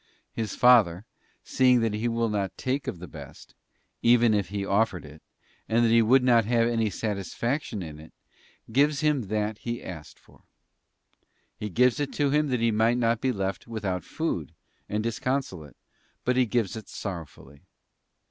His father seeing that he will not take of the best, even if he offered it, and that he would not have any satisfac tion in it, gives him that he asked for. He gives it to him that he might not be left without food and disconsolate, but he gives it sorrowfully.